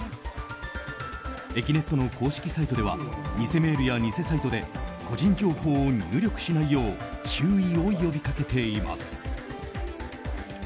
えきねっとの公式サイトでは偽メールや偽サイトで個人情報を入力しないよう注意を呼びかけています。